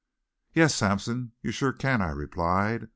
"Yes, Sampson, you sure can," I replied.